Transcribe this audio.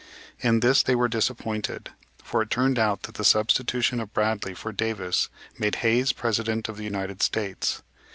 In this they were disappointed; for it turned out that the substitution of Bradley for Davis made Hayes President of the United States.